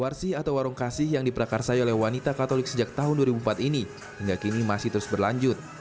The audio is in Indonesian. warsi atau warung kasih yang diprakarsai oleh wanita katolik sejak tahun dua ribu empat ini hingga kini masih terus berlanjut